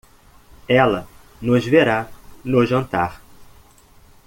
Ela nos verá no jantar.